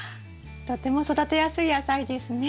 とても育てやすい野菜ですね。